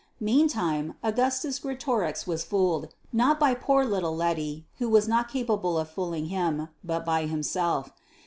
Meantime Augustus Greatorex was fooled, not by poor little Letty, who was not capable of fooling him, but by himself.